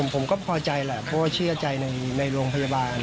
ผมก็พอใจพอเชื่อใจในโรงพยาบาล